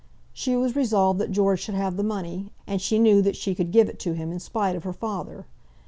She was resolved that George should have the money, and she knew that she could give it to him in spite of her father.